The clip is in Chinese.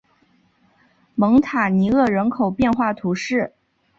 蒙塔尼厄人口变化图示